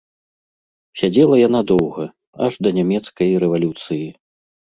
Сядзела яна доўга, аж да нямецкай рэвалюцыі.